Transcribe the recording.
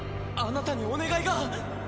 あなたにお願いが。